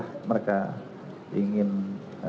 tunggu sekali that's inside